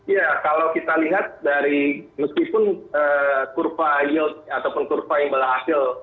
ya kalau kita lihat dari meskipun kurva yield ataupun kurva yang berhasil